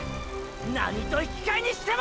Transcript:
何と引きかえにしても！！